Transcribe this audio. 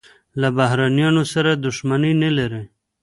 له بهرنیانو سره دښمني نه لري.